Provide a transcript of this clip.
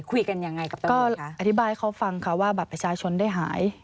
ก็อธิบายเขาฟังค่ะว่าบัตรประชาชนได้หาย